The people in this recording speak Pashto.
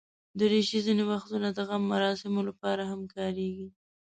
دریشي ځینې وختونه د غم مراسمو لپاره هم کارېږي.